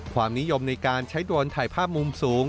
ความนิยมในการใช้โดรนถ่ายภาพมุมสูง